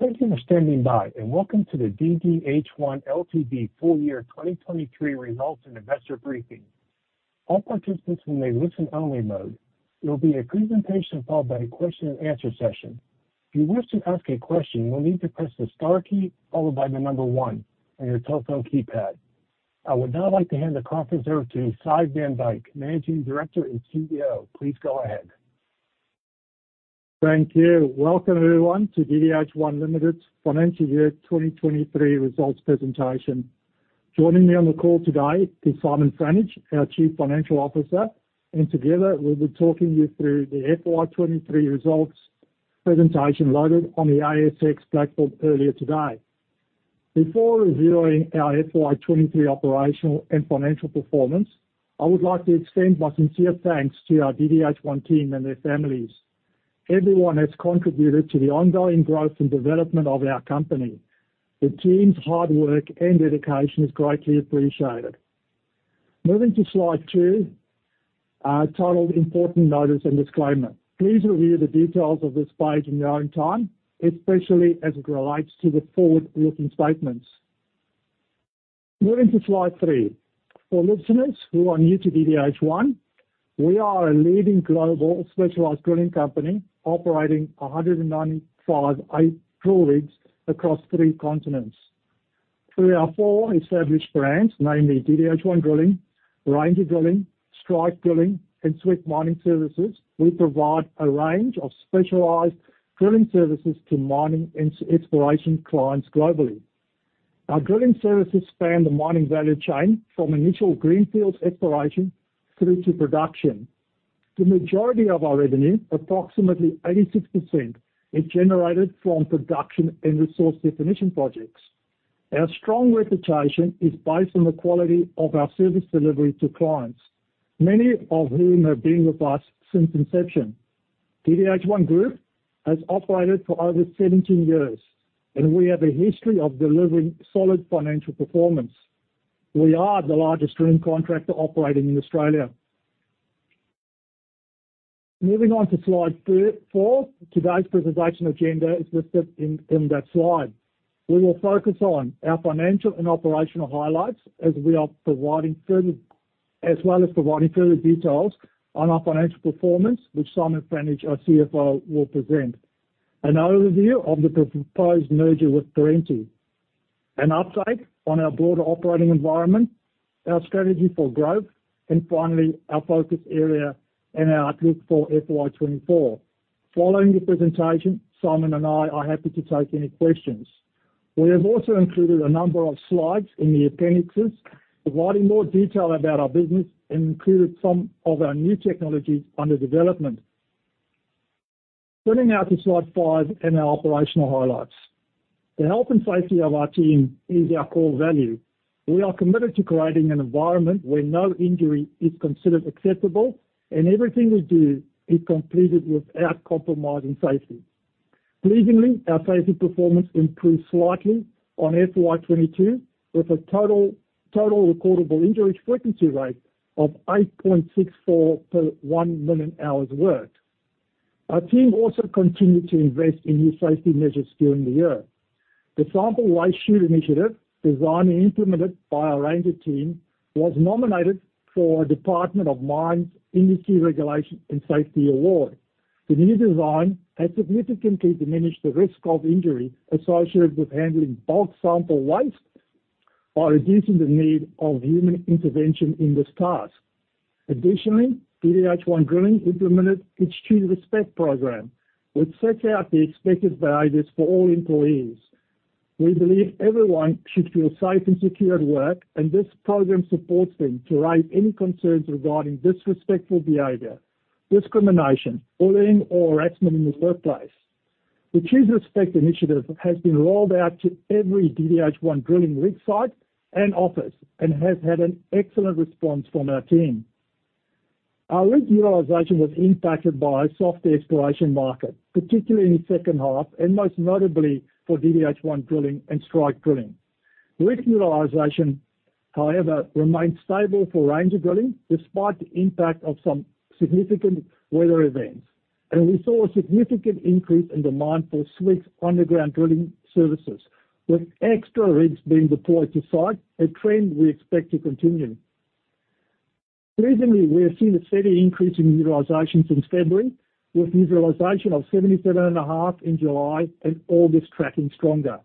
Thank you for standing by, and welcome to the DDH1 Ltd Full Year 2023 Results and Investor Briefing. All participants will be in listen-only mode. There will be a presentation followed by a question-and-answer session. If you wish to ask a question, you will need to press the star key followed by the number one on your telephone keypad. I would now like to hand the conference over to Sy Van Dyk, Managing Director and CEO. Please go ahead. Thank you. Welcome, everyone, to DDH1 Limited Financial Year 2023 results presentation. Joining me on the call today is Simon Franich, our Chief Financial Officer, and together we'll be talking you through the FY 2023 results presentation loaded on the ASX platform earlier today. Before reviewing our FY 2023 operational and financial performance, I would like to extend my sincere thanks to our DDH1 team and their families. Everyone has contributed to the ongoing growth and development of our company. The team's hard work and dedication is greatly appreciated. Moving to slide two, titled Important Notice and Disclaimer. Please review the details of this page in your own time, especially as it relates to the forward-looking statements. Moving to slide three. For listeners who are new to DDH1, we are a leading global specialized drilling company operating 195 drill rigs across three continents. Through our four established brands, namely DDH1 Drilling, Ranger Drilling, Strike Drilling, and Swick Mining Services, we provide a range of specialized drilling services to mining and exploration clients globally. Our drilling services span the mining value chain from initial greenfields exploration through to production. The majority of our revenue, approximately 86%, is generated from production and resource definition projects. Our strong reputation is based on the quality of our service delivery to clients, many of whom have been with us since inception. DDH1 Group has operated for over 17 years, and we have a history of delivering solid financial performance. We are the largest drilling contractor operating in Australia. Moving on to slide 34. Today's presentation agenda is listed in that slide. We will focus on our financial and operational highlights as we are providing further details on our financial performance, which Simon Franich, our CFO, will present. An overview of the proposed merger with Perenti, an update on our broader operating environment, our strategy for growth, and finally, our focus area and our outlook for FY 2024. Following the presentation, Simon and I are happy to take any questions. We have also included a number of slides in the appendices, providing more detail about our business and included some of our new technologies under development. Turning now to slide five and our operational highlights. The health and safety of our team is our core value. We are committed to creating an environment where no injury is considered acceptable, and everything we do is completed without compromising safety. Pleasingly, our safety performance improved slightly on FY 2022, with a total recordable injury frequency rate of 8.64 per one million hours worked. Our team also continued to invest in new safety measures during the year. The sample waste chute initiative, designed and implemented by our Ranger team, was nominated for a Department of Mines Industry Regulation and Safety Award. The new design has significantly diminished the risk of injury associated with handling bulk sample waste by reducing the need of human intervention in this task. Additionally, DDH1 Drilling implemented its Choose Respect program, which sets out the expected values for all employees. We believe everyone should feel safe and secure at work, and this program supports them to raise any concerns regarding disrespectful behavior, discrimination, bullying, or harassment in the workplace. The Choose Respect initiative has been rolled out to every DDH1 drilling rig site and office and has had an excellent response from our team. Our rig utilization was impacted by a softer exploration market, particularly in the second half, and most notably for DDH1 Drilling and Strike Drilling. Rig utilization, however, remained stable for Ranger Drilling, despite the impact of some significant weather events, and we saw a significant increase in demand for Swick's underground drilling services, with extra rigs being deployed to site, a trend we expect to continue. Recently, we have seen a steady increase in utilization since February, with utilization of 77.5% in July and August tracking stronger.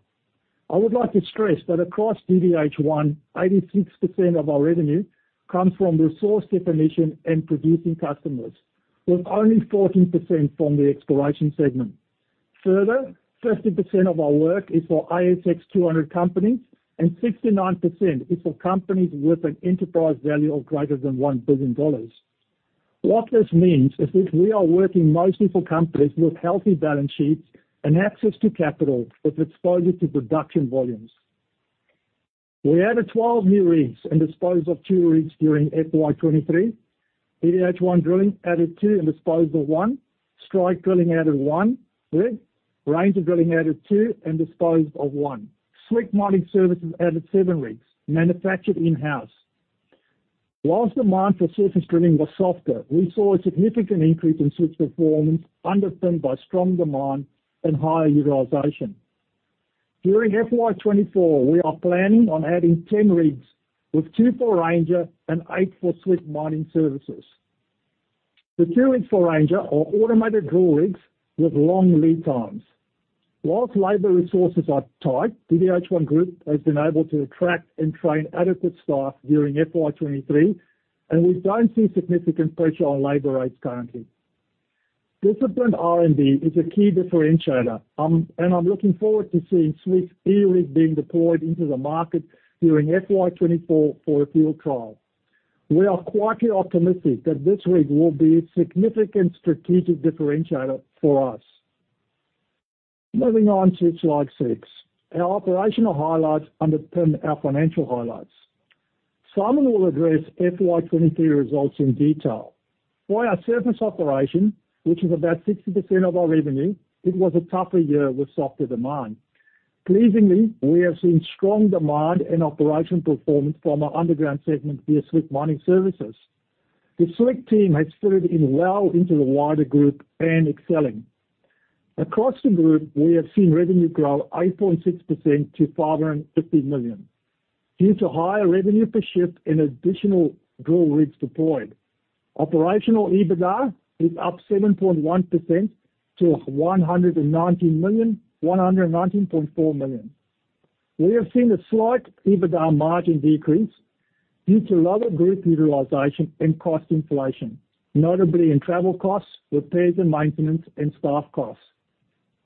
I would like to stress that across DDH1, 86% of our revenue comes from resource definition and producing customers, with only 14% from the exploration segment. Further, 50% of our work is for ASX 200 companies, and 69% is for companies with an enterprise value of greater than 1 billion dollars. What this means is that we are working mostly for companies with healthy balance sheets and access to capital, with exposure to production volumes. We added 12 new rigs and disposed of two rigs during FY 2023. DDH1 Drilling added two and disposed of one. Strike Drilling added one rig. Ranger Drilling added two and disposed of one. Swick Mining Services added seven rigs, manufactured in-house. While demand for surface drilling was softer, we saw a significant increase in SWICK's performance, underpinned by strong demand and higher utilization. During FY 2024, we are planning on adding 10 rigs, with two for Ranger and eight for SWICK Mining Services. The two rigs for Ranger are automated drill rigs with long lead times. While labor resources are tight, DDH1 Group has been able to attract and train adequate staff during FY 2023, and we don't see significant pressure on labor rates currently. Disciplined R&D is a key differentiator, and I'm looking forward to seeing Swick's E-Rig being deployed into the market during FY 2024 for a field trial. We are quietly optimistic that this rig will be a significant strategic differentiator for us. Moving on to slide six. Our operational highlights underpin our financial highlights. Simon will address FY 2023 results in detail. For our surface operation, which is about 60% of our revenue, it was a tougher year with softer demand. Pleasingly, we have seen strong demand and operational performance from our underground segment via Swick Mining Services. The Swick team has fitted in well into the wider group and excelling. Across the group, we have seen revenue grow 8.6% to 550 million. Due to higher revenue per shift and additional drill rigs deployed, operational EBITDA is up 7.1% to 190 million--119.4 million. We have seen a slight EBITDA margin decrease due to lower group utilization and cost inflation, notably in travel costs, repairs and maintenance, and staff costs.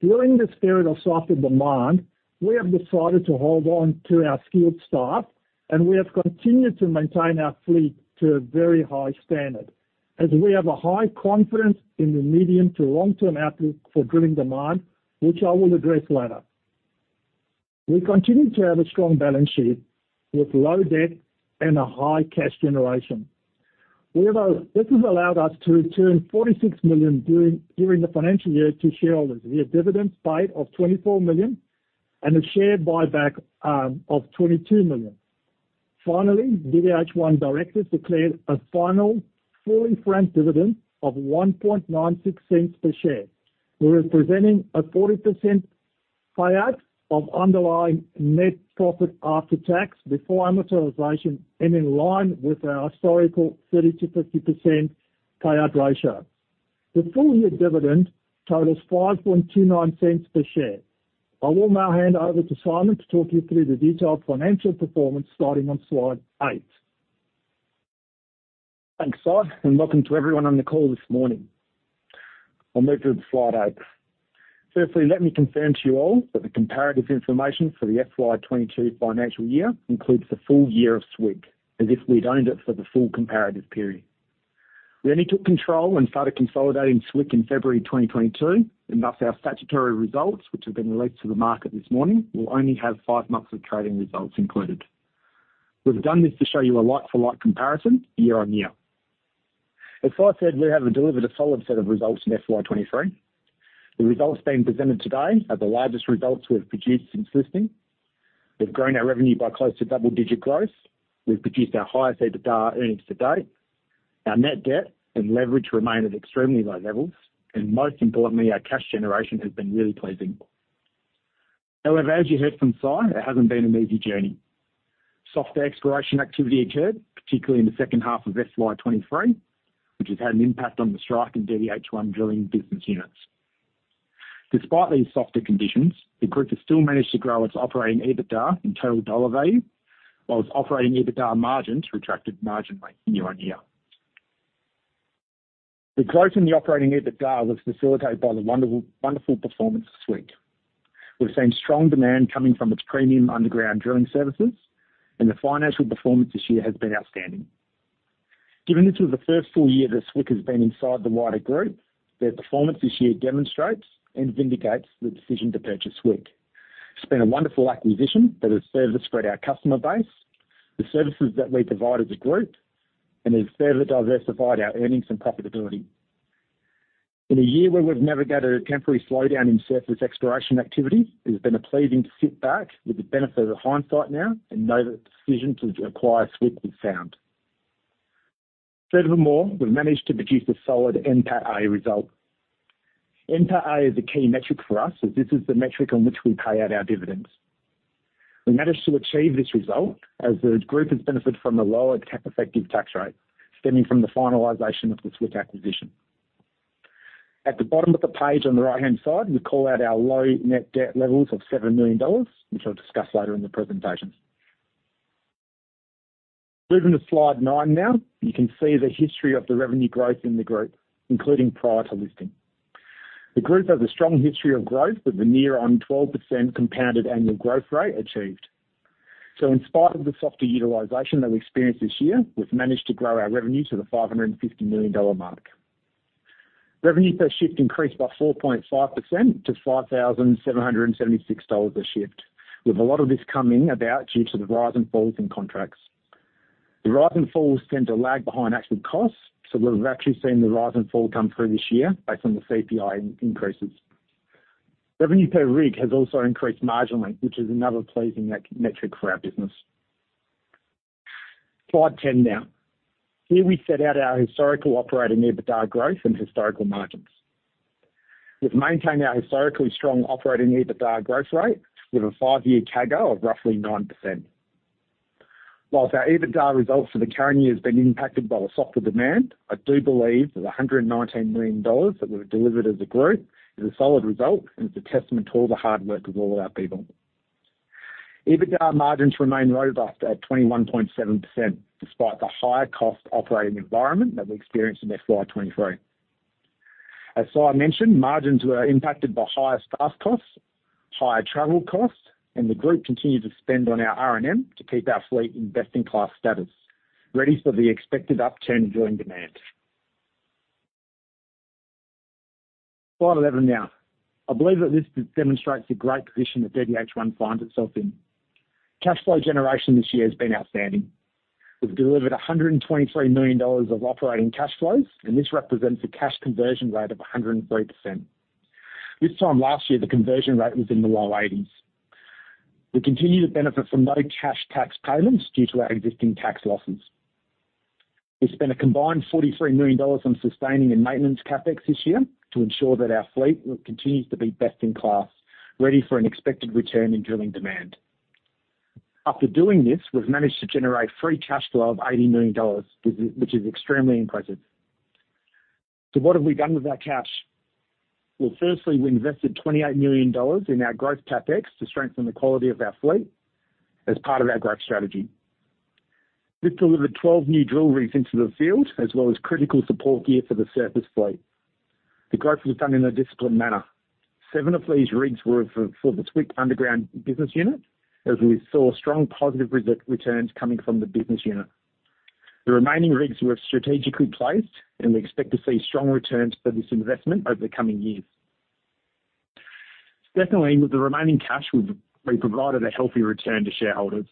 During this period of softer demand, we have decided to hold on to our skilled staff, and we have continued to maintain our fleet to a very high standard, as we have a high confidence in the medium to long-term outlook for drilling demand, which I will address later. We continue to have a strong balance sheet, with low debt and a high cash generation. This has allowed us to return 46 million during the financial year to shareholders via dividends paid of 24 million and a share buyback of 22 million. Finally, DDH1 directors declared a final fully franked dividend of 0.0196 per share. We're presenting a 40% payout of underlying net profit after tax, before amortization, and in line with our historical 30% - 50% payout ratio. The full-year dividend totals 0.0529 per share. I will now hand over to Simon to talk you through the detailed financial performance, starting on slide eight. Thanks, Si, and welcome to everyone on the call this morning. I'll move to slide eight. Firstly, let me confirm to you all that the comparative information for the FY 2022 financial year includes the full year of SWICK, as if we'd owned it for the full comparative period. We only took control and started consolidating SWICK in February 2022, and thus our statutory results, which have been released to the market this morning, will only have five months of trading results included. We've done this to show you a like-for-like comparison year-on-year. As Sy said, we have delivered a solid set of results in FY 2023. The results being presented today are the largest results we've produced since listing. We've grown our revenue by close to double-digit growth. We've produced our highest EBITDA earnings to date. Our net debt and leverage remain at extremely low levels, and most importantly, our cash generation has been really pleasing. However, as you heard from Si, it hasn't been an easy journey. Softer exploration activity occurred, particularly in the second half of FY 2023, which has had an impact on the Strike and DDH1 drilling business units. Despite these softer conditions, the group has still managed to grow its operating EBITDA in total dollar value, while its operating EBITDA margins retracted marginally year-on-year. The growth in the operating EBITDA was facilitated by the wonderful, wonderful performance of Swick. We've seen strong demand coming from its premium underground drilling services, and the financial performance this year has been outstanding. Given this was the first full year that Swick has been inside the wider group, their performance this year demonstrates and vindicates the decision to purchase Swick. It's been a wonderful acquisition that has served to spread our customer base, the services that we provide as a group, and has further diversified our earnings and profitability. In a year where we've navigated a temporary slowdown in surface exploration activity, it's been a pleasing to sit back with the benefit of hindsight now and know that the decision to acquire SWICK was sound. Furthermore, we've managed to produce a solid NPATA result. NPATA is a key metric for us, as this is the metric on which we pay out our dividends. We managed to achieve this result as the group has benefited from a lower cash-effective tax rate stemming from the finalization of the SWICK acquisition. At the bottom of the page on the right-hand side, we call out our low net debt levels of 7 million dollars, which I'll discuss later in the presentation. Moving to slide nine now, you can see the history of the revenue growth in the group, including prior to listing. The group has a strong history of growth, with a near on 12% compounded annual growth rate achieved. So in spite of the softer utilization that we experienced this year, we've managed to grow our revenue to the 550 million dollar mark. Revenue per shift increased by 4.5% to 5,776 dollars a shift, with a lot of this coming about due to the rise and falls in contracts. The rise and falls tend to lag behind actual costs, so we've actually seen the rise and fall come through this year based on the CPI increases. Revenue per rig has also increased marginally, which is another pleasing metric for our business. Slide 10 now. Here we set out our historical operating EBITDA growth and historical margins. We've maintained our historically strong operating EBITDA growth rate with a five year CAGR of roughly 9%. While our EBITDA results for the current year has been impacted by the softer demand, I do believe that the 119 million dollars that we've delivered as a group is a solid result, and it's a testament to all the hard work of all of our people. EBITDA margins remain robust at 21.7%, despite the higher cost operating environment that we experienced in FY 2023. As Sy mentioned, margins were impacted by higher staff costs, higher travel costs, and the group continued to spend on our R&M to keep our fleet in best-in-class status, ready for the expected upturn in drilling demand. Slide 11 now. I believe that this demonstrates the great position that DDH1 finds itself in. Cash flow generation this year has been outstanding. We've delivered $123 million of operating cash flows, and this represents a cash conversion rate of 103%. This time last year, the conversion rate was in the low 80s%. We continue to benefit from no cash tax payments due to our existing tax losses. We spent a combined $43 million on sustaining and maintenance CapEx this year to ensure that our fleet continues to be best in class, ready for an expected return in drilling demand. After doing this, we've managed to generate free cash flow of $80 million, which is extremely impressive. So what have we done with our cash? Well, firstly, we invested 28 million dollars in our growth CapEx to strengthen the quality of our fleet as part of our growth strategy. This delivered 12 new drill rigs into the field, as well as critical support gear for the surface fleet. The growth was done in a disciplined manner. Seven of these rigs were for the Swick underground business unit, as we saw strong positive returns coming from the business unit. The remaining rigs were strategically placed, and we expect to see strong returns for this investment over the coming years. Secondly, with the remaining cash, we provided a healthy return to shareholders.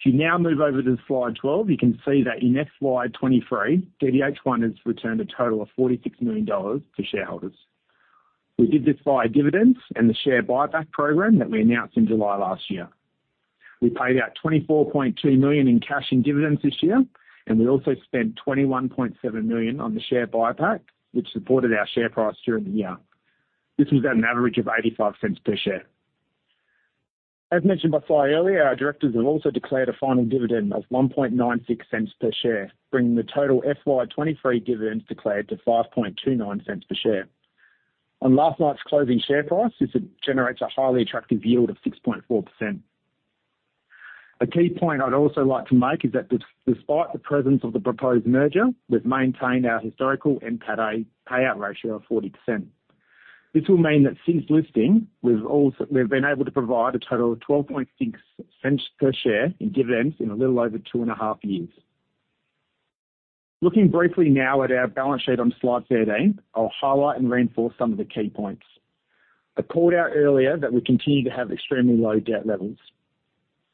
If you now move over to slide 12, you can see that in FY 2023, DDH1 has returned a total of 46 million dollars to shareholders. We did this via dividends and the share buyback program that we announced in July last year. We paid out 24.2 million in cash in dividends this year, and we also spent 21.7 million on the share buyback, which supported our share price during the year. This was at an average of 0.85 per share. As mentioned by Si earlier, our directors have also declared a final dividend of 0.0196 per share, bringing the total FY 2023 dividends declared to 0.0529 per share. On last night's closing share price, this generates a highly attractive yield of 6.4%. A key point I'd also like to make is that despite the presence of the proposed merger, we've maintained our historical NPATA payout ratio of 40%. This will mean that since listing, we've also been able to provide a total of 0.126 per share in dividends in a little over two and a half years. Looking briefly now at our balance sheet on slide 13, I'll highlight and reinforce some of the key points. I called out earlier that we continue to have extremely low debt levels.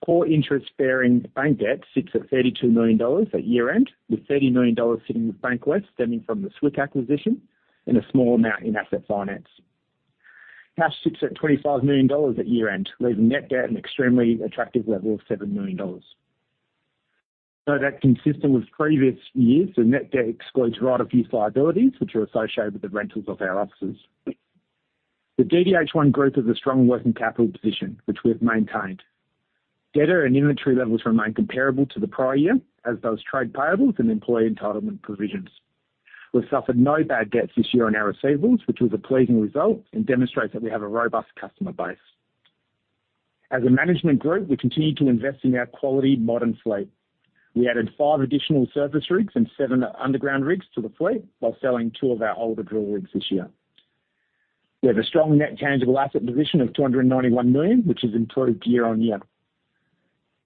Core interest-bearing bank debt sits at 32 million dollars at year-end, with 30 million dollars sitting with Bankwest, stemming from the Swick acquisition and a small amount in asset finance. Cash sits at 25 million dollars at year-end, leaving net debt an extremely attractive level of 7 million dollars. Note that consistent with previous years, the net debt excludes right-of-use liabilities, which are associated with the rentals of our offices. The DDH1 group has a strong working capital position, which we've maintained. Debtors and inventory levels remain comparable to the prior year, as do those trade payables and employee entitlement provisions. We've suffered no bad debts this year on our receivables, which was a pleasing result and demonstrates that we have a robust customer base. As a management group, we continue to invest in our quality, modern fleet. We added five additional surface rigs and seven underground rigs to the fleet while selling two of our older drill rigs this year. We have a strong net tangible asset position of 291 million, which has improved year-over-year.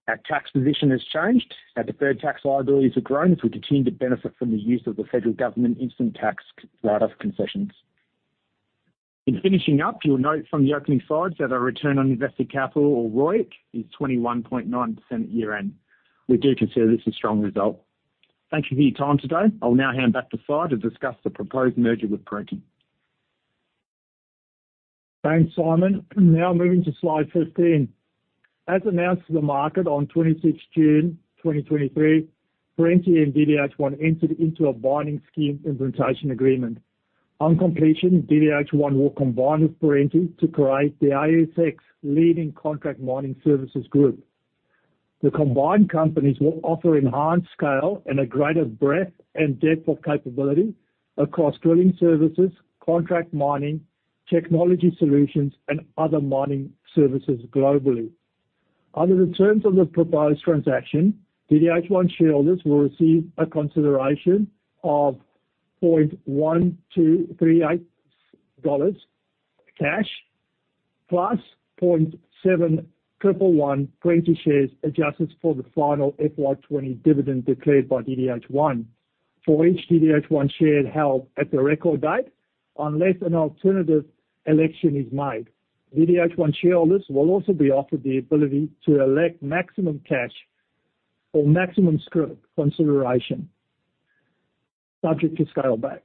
Our tax position has changed. Our deferred tax liabilities have grown as we continue to benefit from the use of the federal government instant tax write-off concessions. In finishing up, you'll note from the opening slides that our return on invested capital, or ROIC, is 21.9% year-end. We do consider this a strong result. Thank you for your time today. I'll now hand back to Sy to discuss the proposed merger with Perenti. Thanks, Simon. Now moving to slide 15. As announced to the market on 26th June 2023, Perenti and DDH1 entered into a binding scheme implementation agreement. On completion, DDH1 will combine with Perenti to create the ASX leading contract mining services group. The combined companies will offer enhanced scale and a greater breadth and depth of capability across drilling services, contract mining, technology solutions, and other mining services globally. Under the terms of the proposed transaction, DDH1 shareholders will receive a consideration of AUD 0.1238 cash, plus 0.711 Perenti shares, adjusted for the final FY 2020 dividend declared by DDH1, for each DDH1 share held at the record date, unless an alternative election is made. DDH1 shareholders will also be offered the ability to elect maximum cash or maximum scrip consideration.... subject to scale back.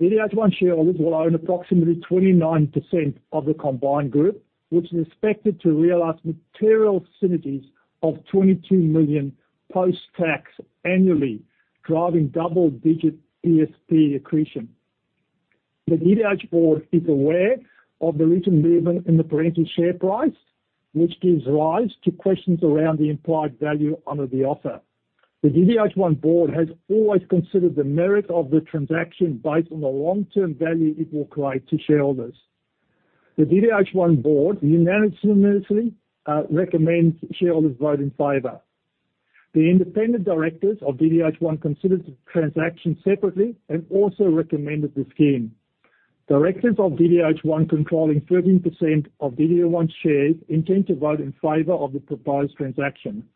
DDH1 shareholders will own approximately 29% of the combined group, which is expected to realize material synergies of 22 million post-tax annually, driving double-digit EPS accretion. The DDH board is aware of the recent movement in the Perenti share price, which gives rise to questions around the implied value under the offer. The DDH1 board has always considered the merit of the transaction based on the long-term value it will create to shareholders. The DDH1 board unanimously recommends shareholders vote in favor. The independent directors of DDH1 considered the transaction separately and also recommended the scheme. Directors of DDH1, controlling 13% of DDH1 shares, intend to vote in favor of the proposed transaction.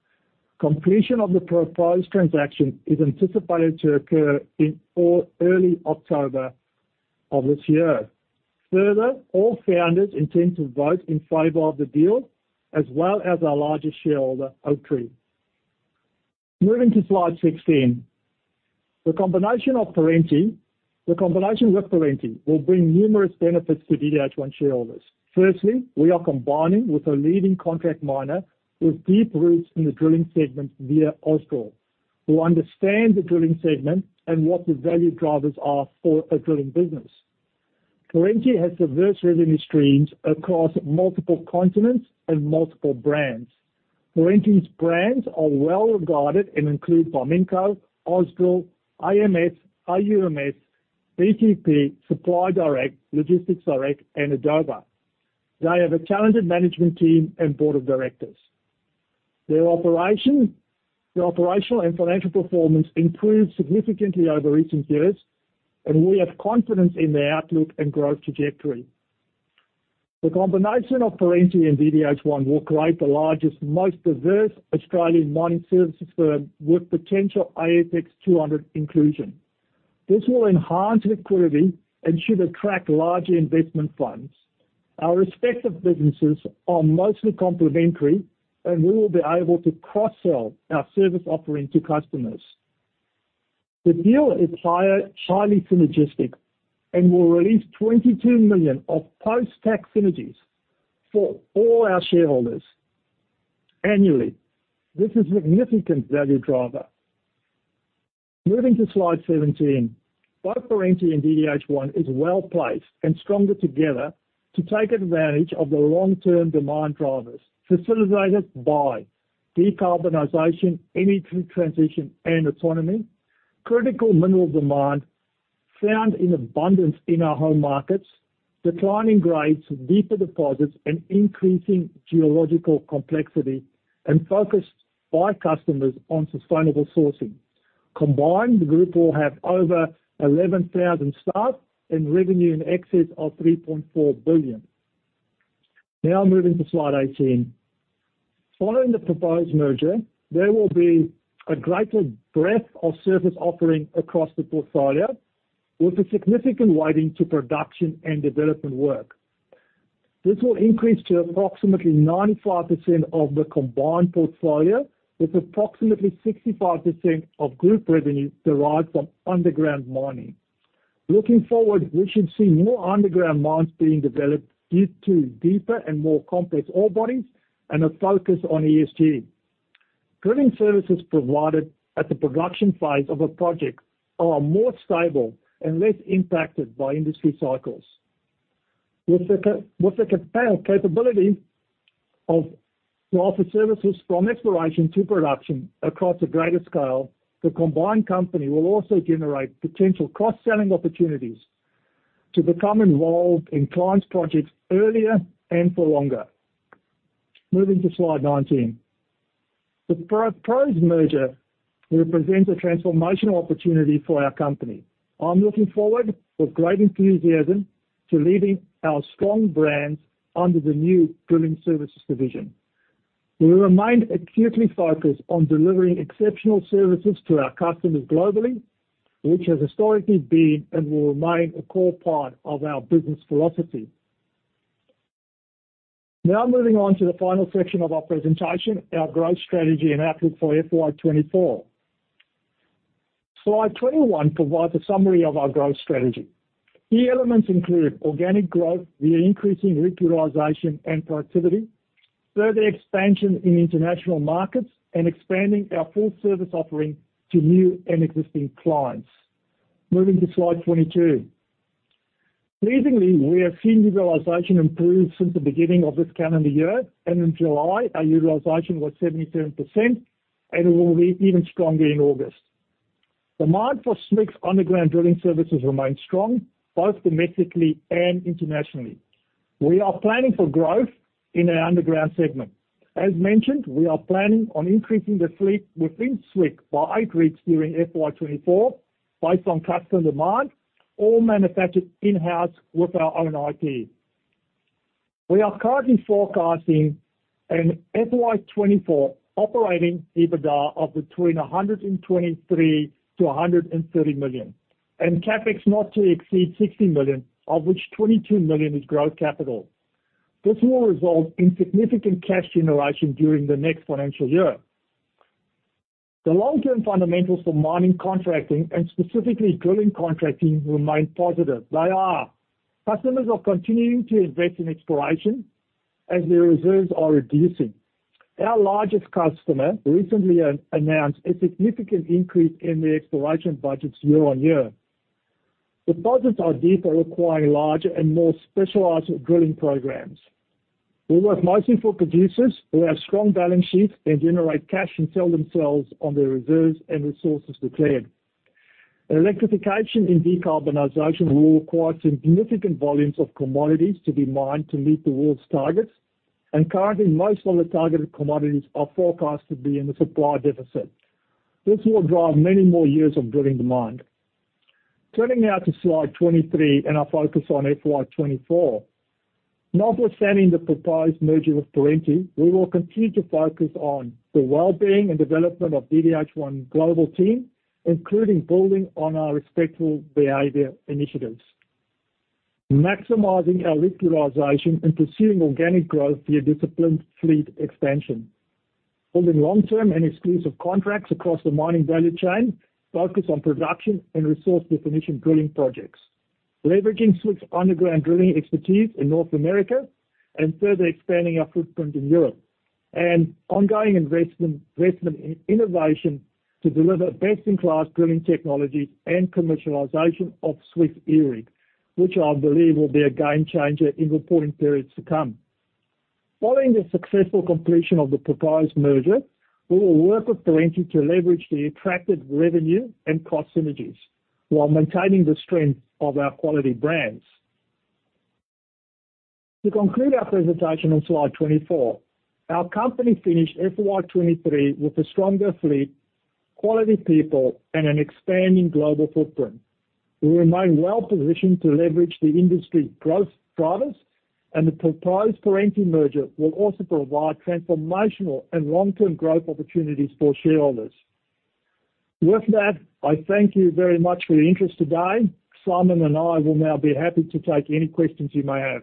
Completion of the proposed transaction is anticipated to occur in or early October of this year. Further, all founders intend to vote in favor of the deal, as well as our largest shareholder, Oaktree. Moving to slide 16. The combination with Perenti will bring numerous benefits to DDH1 shareholders. Firstly, we are combining with a leading contract miner with deep roots in the drilling segment via Ausdrill, who understand the drilling segment and what the value drivers are for a drilling business. Perenti has diverse revenue streams across multiple continents and multiple brands. Perenti's brands are well regarded and include Barminco, Ausdrill, AMS, AUMS, BTP, Supply Direct, Logistics Direct, and idoba. They have a talented management team and board of directors. Their operational and financial performance improved significantly over recent years, and we have confidence in their outlook and growth trajectory. The combination of Perenti and DDH1 will create the largest, most diverse Australian mining services firm, with potential ASX 200 inclusion. This will enhance liquidity and should attract larger investment funds. Our respective businesses are mostly complementary, and we will be able to cross-sell our service offering to customers. The deal is higher, highly synergistic, and will release 22 million of post-tax synergies for all our shareholders annually. This is a significant value driver. Moving to slide 17. Both Perenti and DDH1 is well-placed and stronger together to take advantage of the long-term demand drivers, facilitated by decarbonization, energy transition, and autonomy. Critical mineral demand found in abundance in our home markets, declining grades, deeper deposits, and increasing geological complexity, and focused by customers on sustainable sourcing. Combined, the group will have over 11,000 staff and revenue in excess of 3.4 billion. Now moving to slide 18. Following the proposed merger, there will be a greater breadth of service offering across the portfolio, with a significant weighting to production and development work. This will increase to approximately 95% of the combined portfolio, with approximately 65% of group revenue derived from underground mining. Looking forward, we should see more underground mines being developed due to deeper and more complex ore bodies and a focus on ESG. Drilling services provided at the production phase of a project are more stable and less impacted by industry cycles. With the capability to offer services from exploration to production across a greater scale, the combined company will also generate potential cross-selling opportunities to become involved in clients' projects earlier and for longer. Moving to slide 19. The proposed merger represents a transformational opportunity for our company. I'm looking forward with great enthusiasm to leading our strong brands under the new drilling services division. We remain acutely focused on delivering exceptional services to our customers globally, which has historically been and will remain a core part of our business philosophy. Now moving on to the final section of our presentation, our growth strategy and outlook for FY 2024. Slide 21 provides a summary of our growth strategy. Key elements include organic growth via increasing utilization and productivity, further expansion in international markets, and expanding our full service offering to new and existing clients. Moving to slide 22. Pleasingly, we have seen utilization improve since the beginning of this calendar year, and in July, our utilization was 77%, and it will be even stronger in August. Demand for Swick's underground drilling services remains strong, both domestically and internationally. We are planning for growth in our underground segment. As mentioned, we are planning on increasing the fleet within Swick by eight rigs during FY 2024 based on customer demand, all manufactured in-house with our own IP. We are currently forecasting an FY 2024 operating EBITDA of between 123 to 130 million, and CapEx not to exceed 60 million, of which 22 million is growth capital. This will result in significant cash generation during the next financial year. The long-term fundamentals for mining, contracting, and specifically drilling contracting, remain positive. They are: customers are continuing to invest in exploration as their reserves are reducing. Our largest customer recently announced a significant increase in their exploration budgets year-on-year. Deposits are deeper, requiring larger and more specialized drilling programs. We work mostly for producers who have strong balance sheets and generate cash and sell themselves on their reserves and resources declared. Electrification and decarbonization will require significant volumes of commodities to be mined to meet the world's targets, and currently, most of the targeted commodities are forecast to be in the supply deficit. This will drive many more years of drilling demand. Turning now to slide 23 and our focus on FY 2024. Notwithstanding the proposed merger with Perenti, we will continue to focus on the well-being and development of DDH1 global team, including building on our respectful behavior initiatives. Maximizing our utilization and pursuing organic growth via disciplined fleet expansion. Building long-term and exclusive contracts across the mining value chain, focused on production and resource definition drilling projects. Leveraging Swick's underground drilling expertise in North America and further expanding our footprint in Europe. Ongoing investment, investment in innovation to deliver best-in-class drilling technologies and commercialization of Swick E-Rig, which I believe will be a game changer in reporting periods to come. Following the successful completion of the proposed merger, we will work with Perenti to leverage the attractive revenue and cost synergies, while maintaining the strength of our quality brands. To conclude our presentation on slide 24, our company finished FY 2023 with a stronger fleet, quality people, and an expanding global footprint. We remain well positioned to leverage the industry growth drivers, and the proposed Perenti merger will also provide transformational and long-term growth opportunities for shareholders. With that, I thank you very much for your interest today. Simon and I will now be happy to take any questions you may have.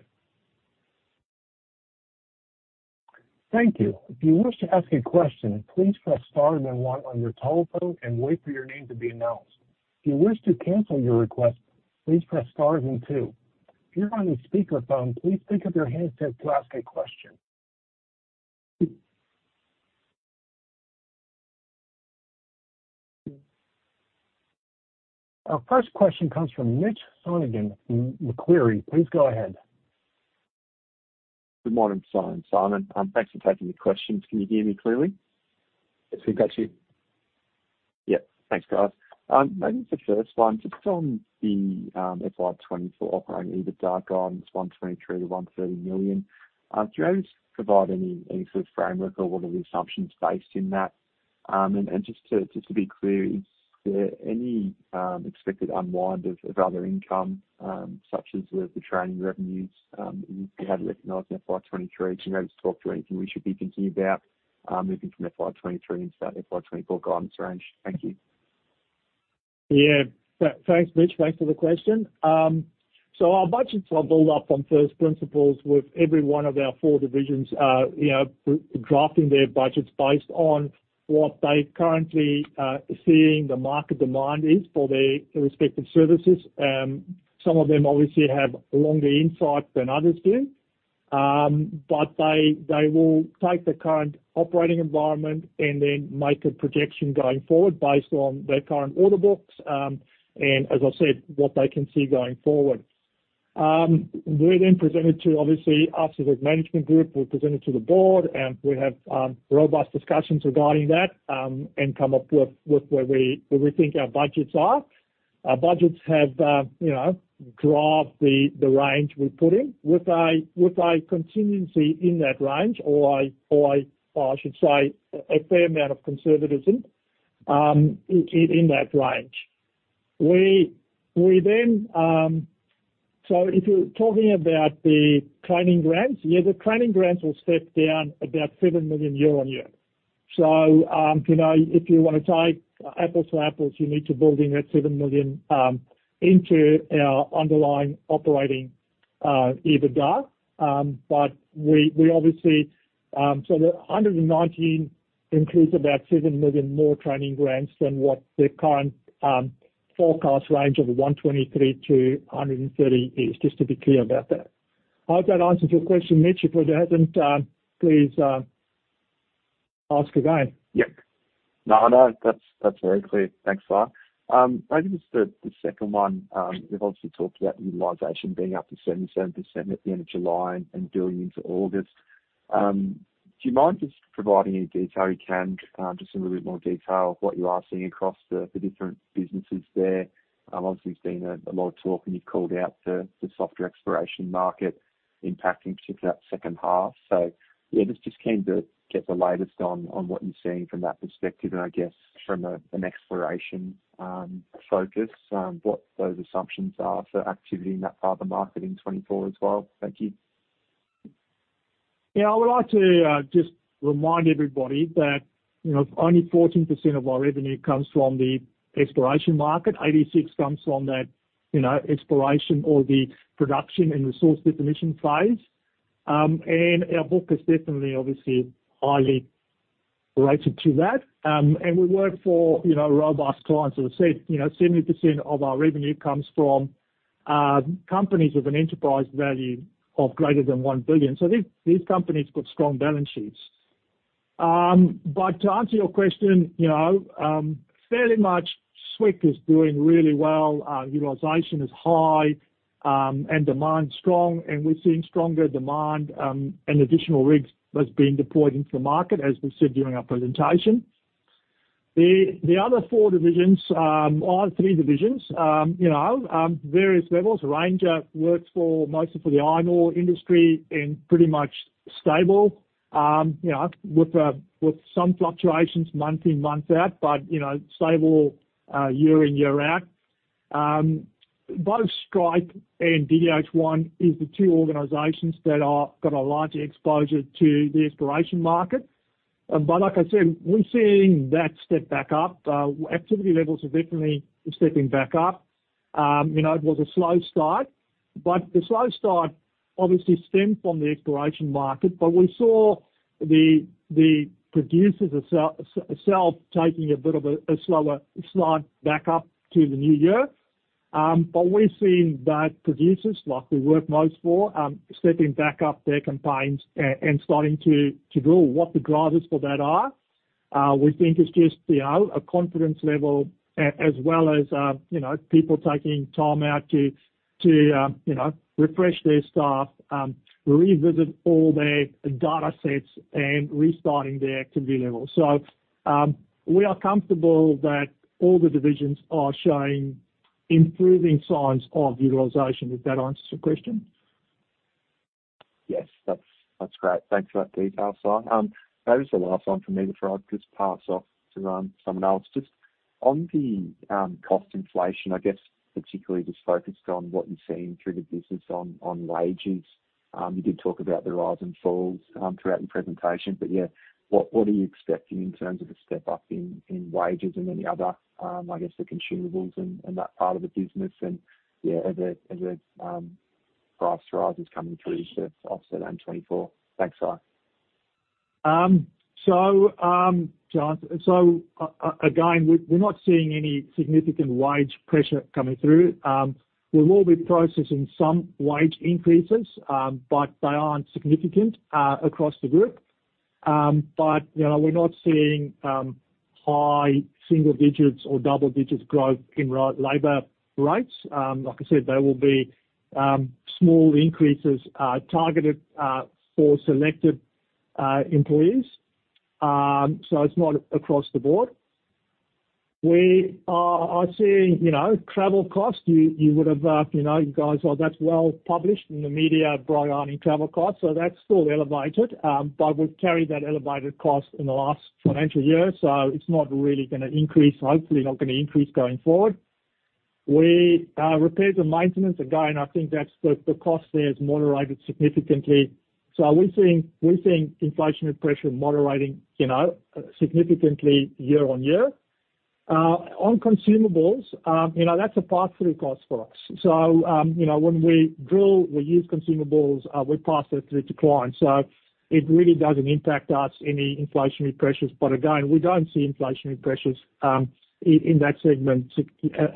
Thank you. If you wish to ask a question, please press star then one on your telephone and wait for your name to be announced. If you wish to cancel your request, please press star then two. If you're on a speakerphone, please pick up your handset to ask a question. Our first question comes from Mitch Sonogan from Macquarie. Please go ahead. Good morning, Simon. Simon, thanks for taking the questions. Can you hear me clearly? Yes, we've got you. Yeah. Thanks, guys. Maybe the first one, just on the, FY 2024 operating EBITDA guidance, 123 million-130 million. Can you just provide any, any sort of framework or what are the assumptions based in that? And, and just to, just to be clear, is there any, expected unwind of, of other income, such as with the training revenues, you had recognized in FY 2023? Can you just talk through anything we should be thinking about, moving from FY 2023 into that FY 2024 guidance range? Thank you. Yeah. Thanks, Mitch. Thanks for the question. So our budgets are built up on first principles with every one of our four divisions, you know, drafting their budgets based on what they currently seeing the market demand is for their respective services. Some of them obviously have longer insight than others do. But they will take the current operating environment and then make a projection going forward based on their current order books, and as I said, what they can see going forward. We then present it to, obviously, us as a management group. We present it to the board, and we have robust discussions regarding that, and come up with where we think our budgets are. Our budgets have, you know, drafted the range we put in with a contingency in that range, or I should say, a fair amount of conservatism in that range. So if you're talking about the training grants, yeah, the training grants will step down about 7 million year-on-year. So, you know, if you want to take apples to apples, you need to build in that 7 million into our underlying operating EBITDA. But we obviously, so the 119 includes about 7 million more training grants than what the current forecast range of 123 million-130 million is, just to be clear about that. I hope that answers your question, Mitch. If it hasn't, please ask again. Yep. No, no, that's, that's very clear. Thanks, Simon. Maybe just the second one. You've obviously talked about utilization being up to 77% at the end of July and building into August. Do you mind just providing any detail you can, just a little bit more detail of what you are seeing across the different businesses there? Obviously, there's been a lot of talk, and you've called out to the softer exploration market impacting, particularly that second half. So yeah, just keen to get the latest on what you're seeing from that perspective and I guess from an exploration focus, what those assumptions are for activity in that part of the market in 2024 as well. Thank you. ... Yeah, I would like to just remind everybody that, you know, only 14% of our revenue comes from the exploration market. 86% comes from that, you know, exploration or the production and resource definition phase. Our book is definitely obviously highly related to that. We work for, you know, robust clients. As I said, you know, 70% of our revenue comes from companies with an enterprise value of greater than 1 billion. So these companies got strong balance sheets. To answer your question, you know, fairly much, Swick is doing really well. Utilization is high, and demand strong, and we're seeing stronger demand, and additional rigs that's being deployed into the market, as we said during our presentation. The other four divisions are three divisions. You know, various levels. Ranger works for mostly for the iron ore industry and pretty much stable, you know, with, with some fluctuations month in, month out, but, you know, stable, year in, year out. Both Strike and DDH1 is the two organizations that are got a larger exposure to the exploration market. But like I said, we're seeing that step back up. Activity levels are definitely stepping back up. You know, it was a slow start, but the slow start obviously stemmed from the exploration market. But we saw the producers themselves taking a bit of a, a slower slide back up to the new year. But we've seen that producers, like we work most for, stepping back up their campaigns and starting to drill what the drivers for that are. We think it's just, you know, a confidence level as well as, you know, people taking time out to you know, refresh their staff, revisit all their data sets, and restarting their activity levels. So, we are comfortable that all the divisions are showing improving signs of utilization. If that answers your question? Yes, that's great. Thanks for that detail, Si. That is the last one for me before I just pass off to someone else. Just on the cost inflation, I guess particularly just focused on what you're seeing through the business on wages. You did talk about the rise and falls throughout your presentation, but yeah, what are you expecting in terms of a step up in wages and any other, I guess, the consumables and that part of the business and yeah, as a price rises coming through to offset in 2024? Thanks, Si. So, to answer... So again, we're not seeing any significant wage pressure coming through. We will be processing some wage increases, but they aren't significant across the group. But, you know, we're not seeing high single digits or double digits growth in labor rates. Like I said, there will be small increases targeted for selected employees. So it's not across the board. We are seeing, you know, travel cost, you would have, you know, you guys, well, that's well published in the media, Brian, in travel costs, so that's still elevated. But we've carried that elevated cost in the last financial year, so it's not really gonna increase, hopefully not gonna increase going forward. We, repairs and maintenance, again, I think that's the cost there has moderated significantly. So we're seeing inflationary pressure moderating, you know, significantly year on year. On consumables, you know, that's a pass-through cost for us. So, you know, when we drill, we use consumables, we pass that through to clients, so it really doesn't impact us any inflationary pressures. But again, we don't see inflationary pressures in that segment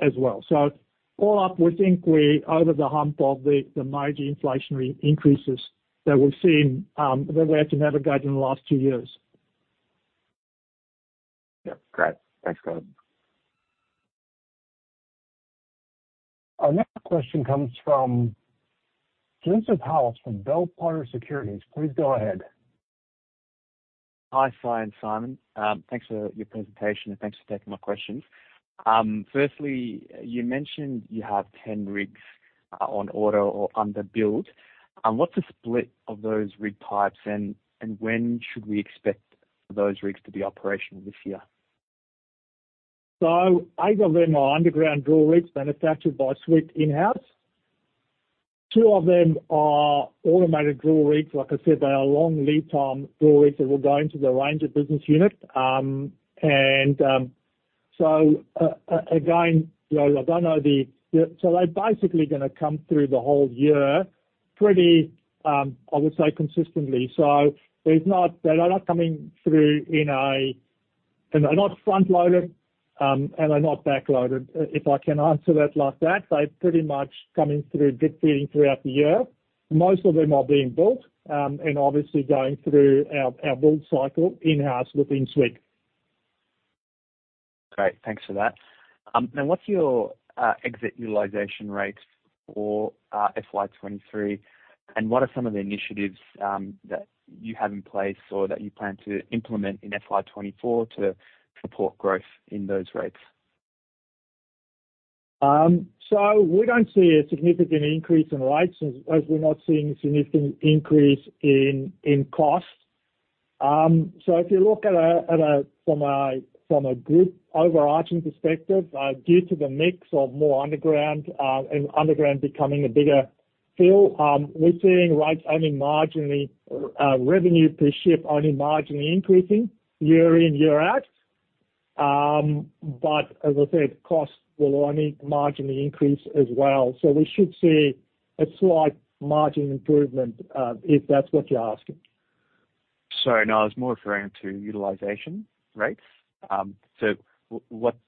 as well. So all up, we think we're over the hump of the major inflationary increases that we've seen that we had to navigate in the last two years. Yeah, great. Thanks, guys. Our next question comes from Joseph House from Bell Potter Securities. Please go ahead. Hi, Sy and Simon. Thanks for your presentation, and thanks for taking my questions. Firstly, you mentioned you have 10 rigs on order or under build. What's the split of those rig types, and when should we expect those rigs to be operational this year? So eight of them are underground drill rigs manufactured by Swick in-house. Two of them are automated drill rigs. Like I said, they are long lead time drill rigs that will go into the ranger business unit. Again, you know, I don't know the... So they're basically gonna come through the whole year pretty, I would say, consistently. So there's not-- they're not coming through in a, and they're not front-loaded, and they're not backloaded. If I can answer that like that, they're pretty much coming through, drip feeding throughout the year. Most of them are being built, and obviously going through our build cycle in-house within Swick. Great, thanks for that. And what's your rig utilization rates for FY 2023? And what are some of the initiatives that you have in place or that you plan to implement in FY 2024 to support growth in those rates? So we don't see a significant increase in rates as we're not seeing a significant increase in cost. So if you look from a group overarching perspective, due to the mix of more underground and underground becoming a bigger field, we're seeing rates only marginally, revenue per shift only marginally increasing year in, year out. But as I said, costs will only marginally increase as well. So we should see a slight margin improvement if that's what you're asking. Sorry, no, I was more referring to utilization rates. So, what's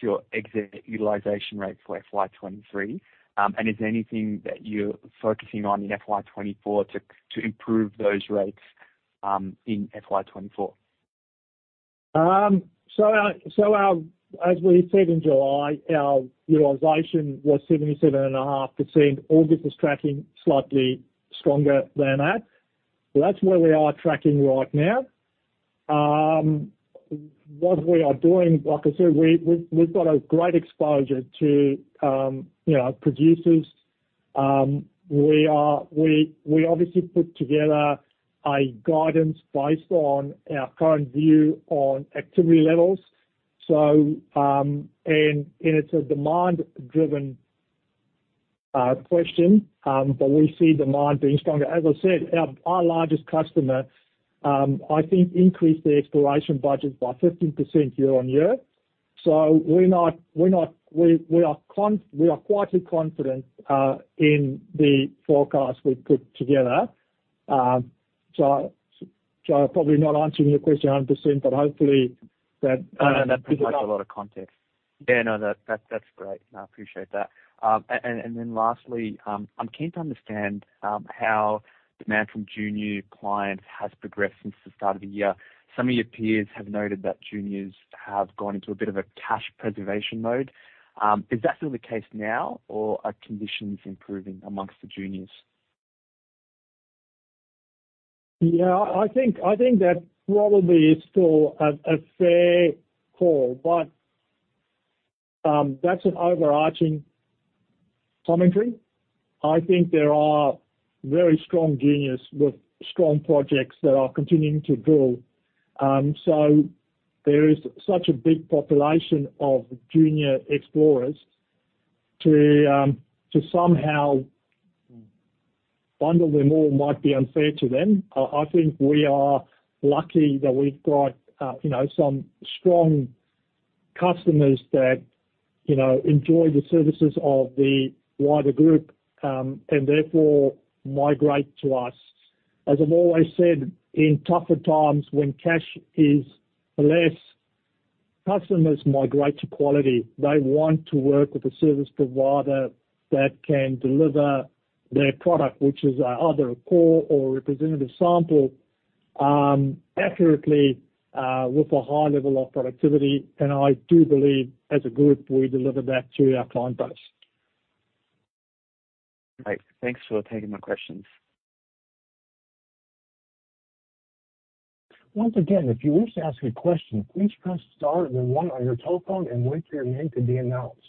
your exit utilization rate for FY 2023? And is there anything that you're focusing on in FY 2024 to improve those rates in FY 2024? So our, as we said in July, our utilization was 77.5%. August is tracking slightly stronger than that. So that's where we are tracking right now. What we are doing, like I said, we've got a great exposure to, you know, producers. We obviously put together a guidance based on our current view on activity levels. So it's a demand-driven question, but we see demand being stronger. As I said, our largest customer, I think increased their exploration budget by 15% year-over-year. So we're not, we're not... We are quite confident in the forecast we've put together. So I'm probably not answering your question 100%, but hopefully that, No, that gives us a lot of context. Yeah, no, that, that's great. I appreciate that. And then lastly, I'm keen to understand how demand from junior clients has progressed since the start of the year. Some of your peers have noted that juniors have gone into a bit of a cash preservation mode. Is that still the case now, or are conditions improving amongst the juniors? Yeah, I think, I think that probably is still a, a fair call, but, that's an overarching commentary. I think there are very strong juniors with strong projects that are continuing to drill. So there is such a big population of junior explorers to, to somehow bundle them all might be unfair to them. I, I think we are lucky that we've got, you know, some strong customers that, you know, enjoy the services of the wider group, and therefore migrate to us. As I've always said, in tougher times, when cash is less, customers migrate to quality. They want to work with a service provider that can deliver their product, which is either a core or a representative sample, accurately, with a high level of productivity. And I do believe as a group, we deliver that to our client base. Great. Thanks for taking my questions. Once again, if you wish to ask a question, please press star then one on your telephone and wait for your name to be announced.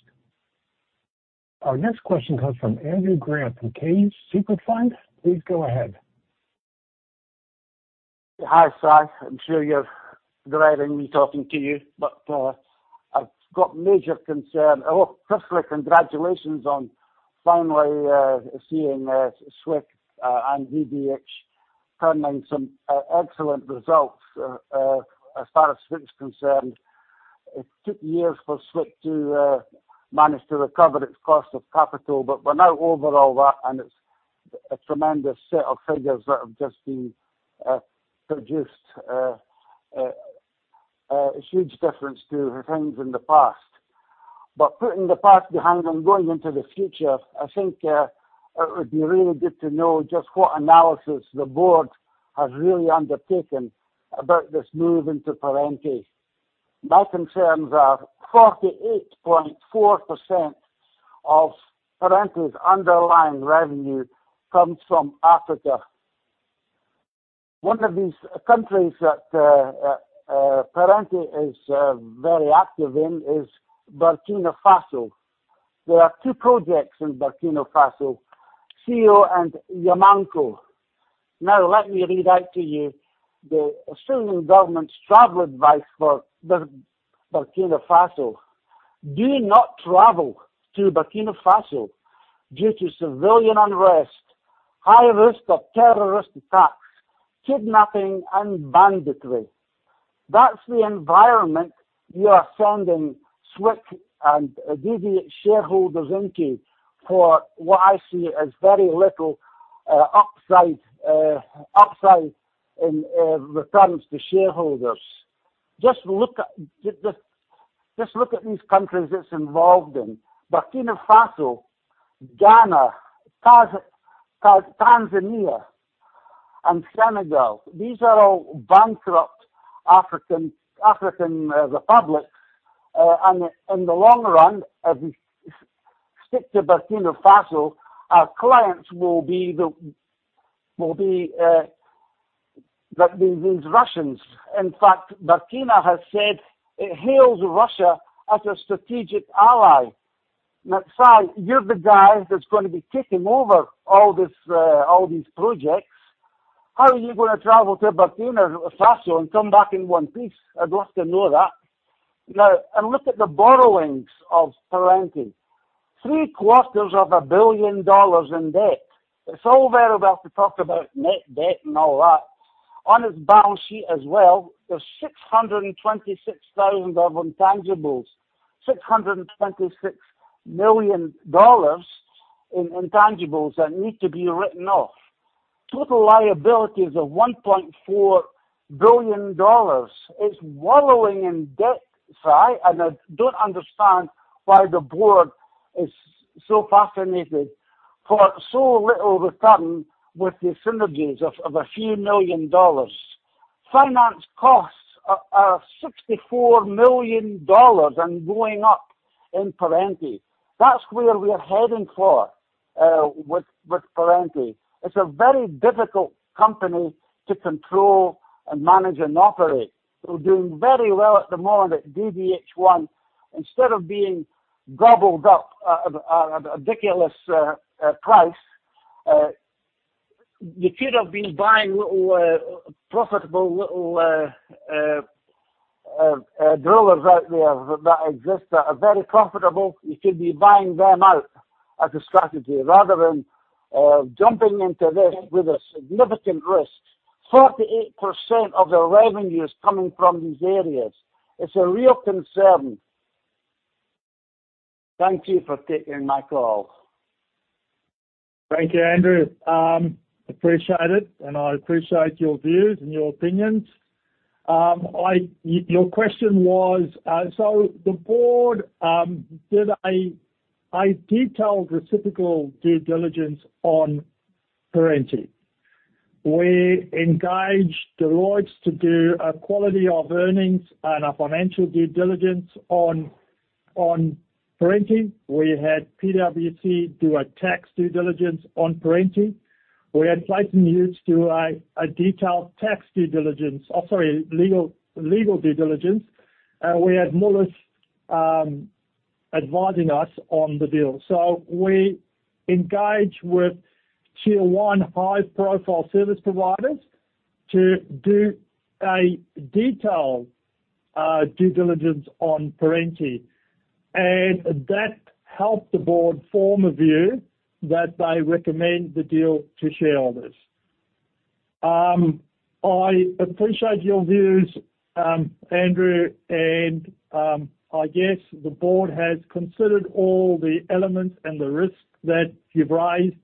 Our next question comes from Andrew Grant from Kayes Super Fund. Please go ahead. Hi, Si. I'm sure you're glad I'm talking to you, but I've got major concern. Oh, firstly, congratulations on finally seeing Swick and DDH turning some excellent results. As far as Swick is concerned, it took years for Swick to manage to recover its cost of capital, but we're now over all that, and it's a tremendous set of figures that have just been produced. A huge difference to the things in the past. But putting the past behind and going into the future, I think it would be really good to know just what analysis the board has really undertaken about this move into Perenti. My concerns are 48.4% of Perenti's underlying revenue comes from Africa. One of these countries that Perenti is very active in is Burkina Faso. There are two projects in Burkina Faso, Siou and Yaramoko. Now, let me read out to you the Australian government's travel advice for Burkina Faso. "Do not travel to Burkina Faso due to civilian unrest, high risk of terrorist attacks, kidnapping, and banditry." That's the environment you are sending Swick and DD shareholders into, for what I see as very little upside in returns to shareholders. Just look at these countries it's involved in. Burkina Faso, Ghana, Tanzania, and Senegal. These are all bankrupt African republics. In the long run, if we stick to Burkina Faso, our clients will be these Russians. In fact, Burkina has said it hails Russia as a strategic ally.... Now, Simon, you're the guy that's gonna be taking over all these projects. How are you gonna travel to Burkina Faso and come back in one piece? I'd like to know that. Now, look at the borrowings of Perenti. 750 million dollars in debt. It's all very well to talk about net debt and all that. On its balance sheet as well, there's 626 thousand of intangibles, 626 million dollars in intangibles that need to be written off. Total liabilities of 1.4 billion dollars. It's wallowing in debt, Sy, and I don't understand why the board is so fascinated for so little return with the synergies of a few million dollars. Finance costs are 64 million dollars and going up in Perenti. That's where we're heading for with Perenti. It's a very difficult company to control and manage and operate. They're doing very well at the moment at DDH1. Instead of being gobbled up at a ridiculous price, you could have been buying little profitable little drillers out there that exist, that are very profitable. You could be buying them out as a strategy rather than jumping into this with a significant risk. 48% of their revenue is coming from these areas. It's a real concern. Thank you for taking my call. Thank you, Andrew. Appreciate it, and I appreciate your views and your opinions. Your question was... So the board did a detailed reciprocal due diligence on Perenti. We engaged Deloitte to do a quality of earnings and a financial due diligence on Perenti. We had PwC do a tax due diligence on Perenti. We had Clayton Utz do a detailed tax due diligence - oh, sorry, legal due diligence. We had Moelis advising us on the deal. So we engaged with tier one high-profile service providers to do a detailed due diligence on Perenti, and that helped the board form a view that they recommend the deal to shareholders. I appreciate your views, Andrew, and I guess the board has considered all the elements and the risks that you've raised,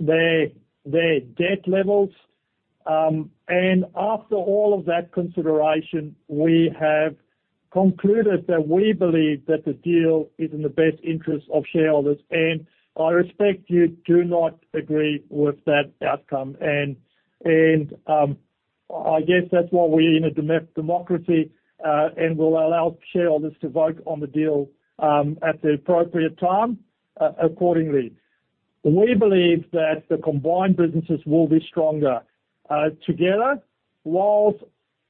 their debt levels. And after all of that consideration, we have concluded that we believe that the deal is in the best interest of shareholders, and I respect you do not agree with that outcome. I guess that's why we're in a democracy, and we'll allow shareholders to vote on the deal at the appropriate time, accordingly. We believe that the combined businesses will be stronger together. While,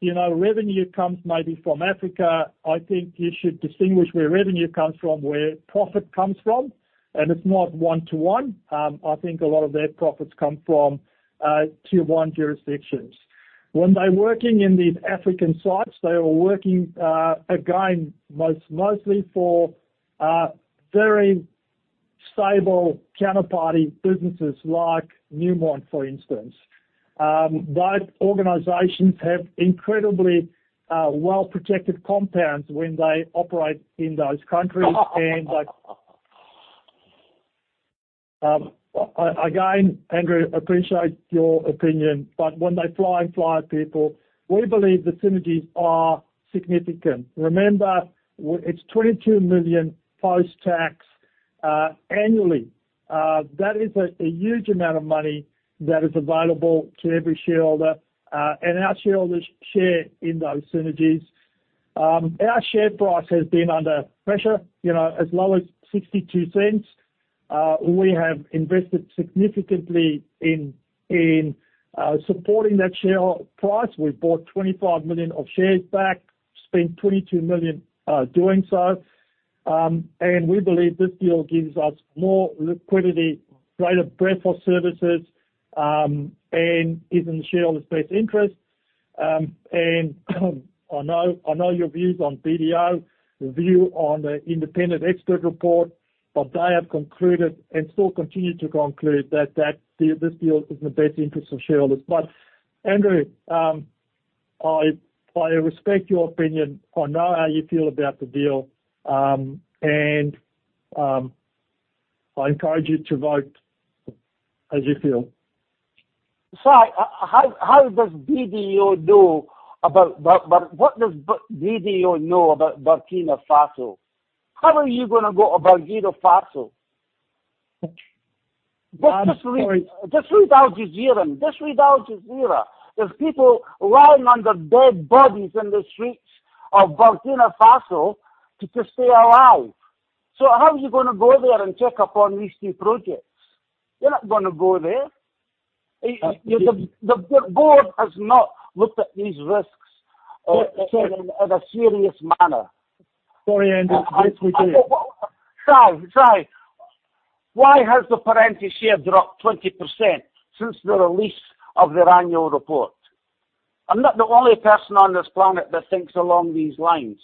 you know, revenue comes maybe from Africa, I think you should distinguish where revenue comes from, where profit comes from, and it's not one to one. I think a lot of their profits come from tier one jurisdictions. When they're working in these African sites, they are working again, mostly for very stable counterparty businesses like Newmont, for instance. Those organizations have incredibly well-protected compounds when they operate in those countries. Again, Andrew, appreciate your opinion, but when they fly, fly people, we believe the synergies are significant. Remember, it's 22 million post-tax annually. That is a huge amount of money that is available to every shareholder, and our shareholders share in those synergies. Our share price has been under pressure, you know, as low as 0.62. We have invested significantly in supporting that share price. We've bought 25 million of shares back, spent 22 million doing so. And we believe this deal gives us more liquidity, greater breadth of services, and is in the shareholders' best interest. I know, I know your views on BDO, your view on the independent expert report, but they have concluded and still continue to conclude that this deal is in the best interest of shareholders. But, Andrew, I respect your opinion. I know how you feel about the deal. I encourage you to vote as you feel. Sy, how does BDO know about... What does BDO know about Burkina Faso? How are you gonna go to Burkina Faso? Um, sorry- Just read Al Jazeera. Just read Al Jazeera. There's people lying on the dead bodies in the streets of Burkina Faso to just stay alive. So how are you gonna go there and check up on these two projects? You're not gonna go there. The board has not looked at these risks in a serious manner. Sorry, Andrew, please continue. Sorry, sorry. Why has the Perenti share dropped 20% since the release of their annual report? I'm not the only person on this planet that thinks along these lines.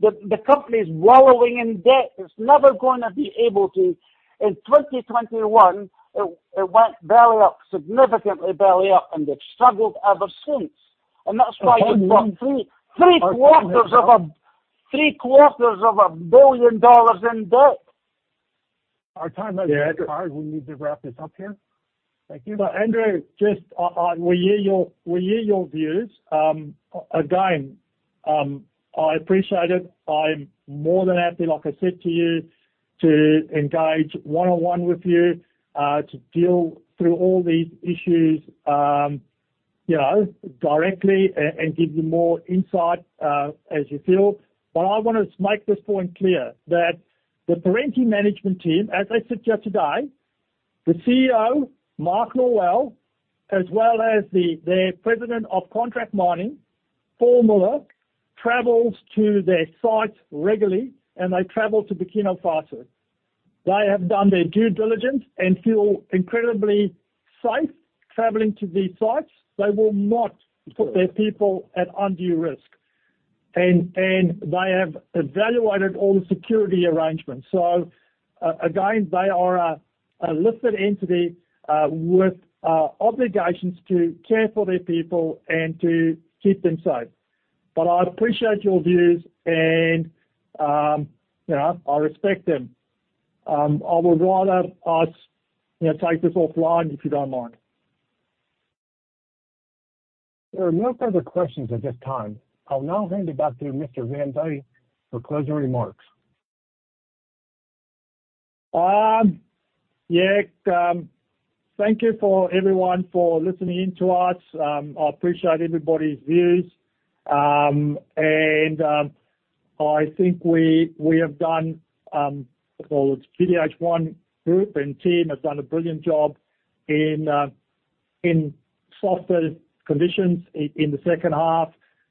The company's wallowing in debt. It's never gonna be able to—In 2021, it went belly up, significantly belly up, and they've struggled ever since. And that's why they've got 750 million dollars in debt. Our time has expired. We need to wrap this up here. Thank you. But, Andrew, just, we hear your, we hear your views. Again, I appreciate it. I'm more than happy, like I said to you, to engage one-on-one with you, to deal through all these issues, you know, directly and give you more insight, as you feel. But I want to make this point clear, that the Perenti management team, as I sit here today, the CEO, Mark Norwell, as well as the, their President of Contract Mining, Paul Muller, travels to their sites regularly, and they travel to Burkina site. They have done their due diligence and feel incredibly safe traveling to these sites. They will not put their people at undue risk, and they have evaluated all the security arrangements. So, again, they are a listed entity with obligations to care for their people and to keep them safe. But I appreciate your views, and you know, I respect them. I would rather us, you know, take this offline, if you don't mind. There are no further questions at this time. I'll now hand it back to Mr. Van Dyk for closing remarks. Yeah, thank you for everyone for listening in to us. I appreciate everybody's views. And, I think we have done well, DDH1 group and team has done a brilliant job in softer conditions in the second half,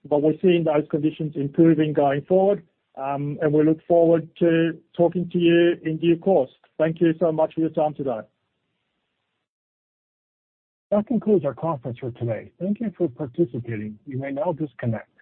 but we're seeing those conditions improving going forward. And we look forward to talking to you in due course. Thank you so much for your time today. That concludes our conference for today. Thank you for participating. You may now disconnect.